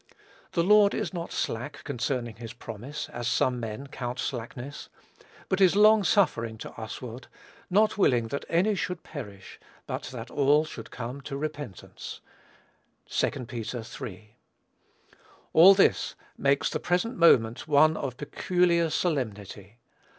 "The Lord is not slack concerning his promise, as some men count slackness, but is long suffering to usward, not willing that any should perish, but that all should come to repentance." (2 Peter iii.) All this makes the present moment one of peculiar solemnity.